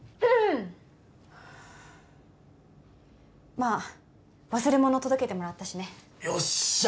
まあ忘れ物届けてもらったしねよっしゃ！